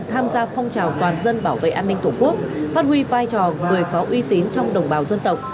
tham gia phong trào toàn dân bảo vệ an ninh tổ quốc phát huy vai trò người có uy tín trong đồng bào dân tộc